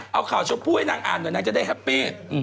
เอาข่าวชมพู่ให้นางอ่านหน่อยนางจะได้แฮปปี้